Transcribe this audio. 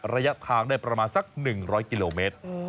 ระยะทางได้ประมาณสักหนึ่งร้อยกิโลเมตร